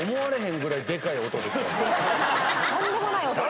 とんでもない音が。